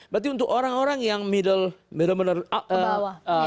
berarti untuk orang orang yang middle middle middle ke bawah